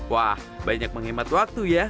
wah banyak menghemat waktu ya